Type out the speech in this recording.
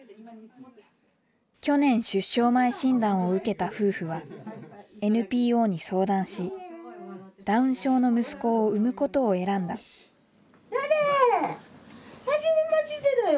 去年出生前診断を受けた夫婦はＮＰＯに相談しダウン症の息子を生むことを選んだはじめましてだよ。